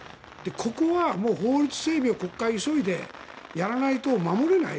国会が法律整備を急いでやらないと守れない。